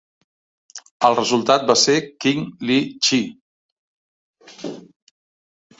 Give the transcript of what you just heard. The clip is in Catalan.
El resultat va ser King Ly Chee.